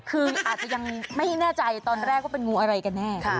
คืออาจจะยังไม่แน่ใจตอนแรกว่าเป็นงูอะไรกันแน่